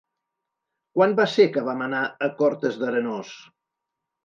Quan va ser que vam anar a Cortes d'Arenós?